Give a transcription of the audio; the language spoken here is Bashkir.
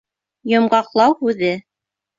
Йомғаҡлау һүҙе